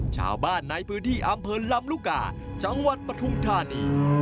ชาวบ้านในพื้นที่อำเภอลำลูกกาจังหวัดปฐุมธานี